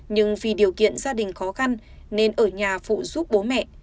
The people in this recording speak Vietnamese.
nhưng vì điều kiện gia đình khó khăn nên ở nhà phụ giúp bố mẹ